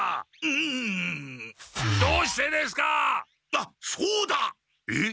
あっそうだ！えっ？